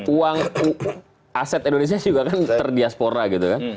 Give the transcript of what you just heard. uang aset indonesia juga kan terdiaspora gitu kan